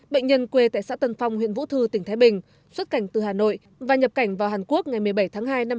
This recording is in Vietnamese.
bệnh nhân quê tại xã tân phong huyện vũ thư tỉnh thái bình xuất cảnh từ hà nội và nhập cảnh vào hàn quốc ngày một mươi bảy tháng hai năm hai nghìn hai mươi